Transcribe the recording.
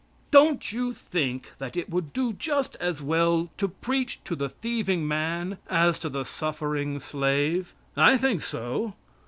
Don't you think that it would do just as well to preach that to the thieving man as to the suffering slave? I think so.